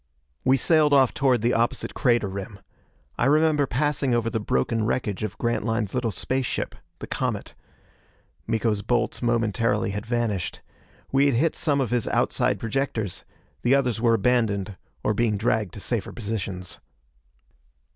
We sailed off toward the opposite crater rim. I remember passing over the broken wreckage of Grantline's little space ship, the Comet. Miko's bolts momentarily had vanished. We had hit some of his outside projectors; the others were abandoned, or being dragged to safer positions.